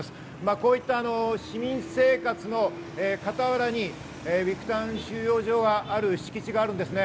こうした市民生活の傍らにビクタン収容所がある敷地があるんですね。